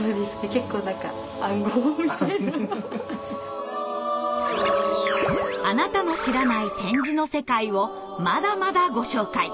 結構何かあなたの知らない点字の世界をまだまだご紹介！